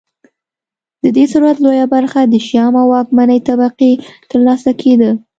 د دې ثروت لویه برخه د شیام او واکمنې طبقې ترلاسه کېده